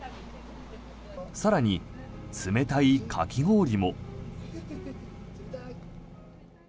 更に、冷たいかき氷も。